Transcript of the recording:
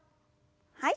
はい。